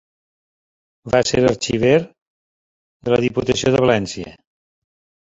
Va ser arxiver de la Diputació de València.